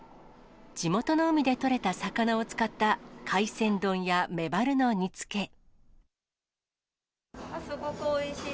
地元の海で取れた魚を使った海鮮丼やメバルの煮つけ。